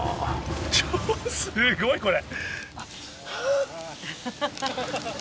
ちょすごいこれ。